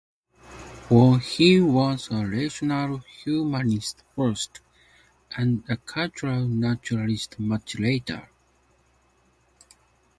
For he was a rational humanist first, and a cultural nationalist much later.